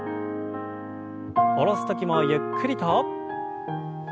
下ろす時もゆっくりと。